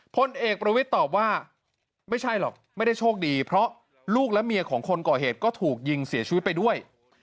พลเอกประวิทย์ตอบว่าไม่ใช่หรอกไม่ได้โชคดีเพราะลูกและเมียของคนก่อเหตุก็ถูกยิงเสียชีวิตไปด้วย